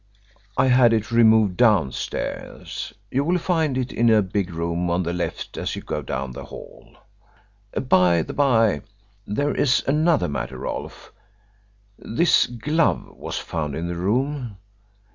"I had it removed downstairs. You will find it in a big room on the left as you go down the hall. By the by, there is another matter, Rolfe. This glove was found in the room.